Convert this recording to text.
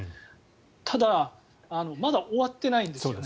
ただまだ終わってないんですよね。